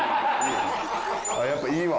やっぱいいわ。